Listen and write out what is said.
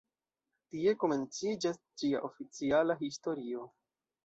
Tie komenciĝas ĝia oficiala historio.